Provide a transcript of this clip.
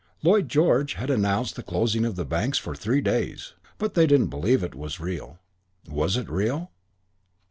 Lloyd George had announced the closing of the banks for three days; but they didn't believe it was real. Was it real?